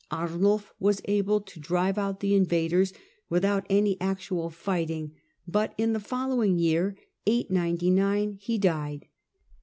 Arnulf was able to drive out the invaders without any actual fight ing, but in the following year (899) he died.